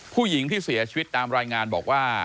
ผู้หญิงที่เสียชีวิตตามรายงานบอกว่า